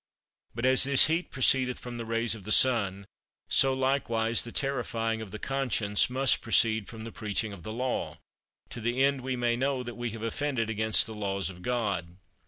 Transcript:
But as this heat proceedeth from the rays of the sun, so likewise the terrifying of the conscience must proceed from the preaching of the Law, to the end we may know that we have offended against the Laws of God.